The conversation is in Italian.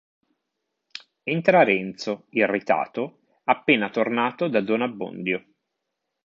Entra Renzo, irritato, appena tornato da Don Abbondio.